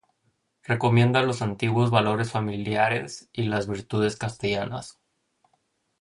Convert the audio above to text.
Recomienda los antiguos valores familiares y las virtudes castellanas.